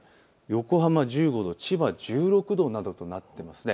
横浜１５度、千葉１６度などとなっています。